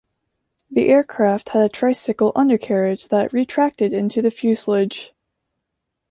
The aircraft had a tricycle undercarriage that retracted into the fuselage.